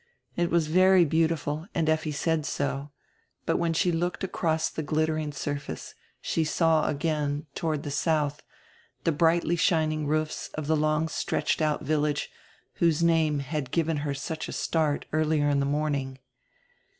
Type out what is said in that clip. It was very beautiful and Effi said so; but, when she looked across die glittering surface, she saw again, toward the soudi, die brightiy shining roofs of die long stretched out village, whose name had given her such a start earlier in die morning.